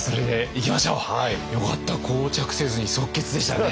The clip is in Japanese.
よかった膠着せずに即決でしたね。